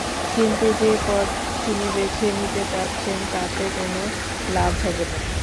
কিন্তু যে-পথ তিনি বেছে নিতে চাচ্ছেন তাতে কোনো লাভ হবে না।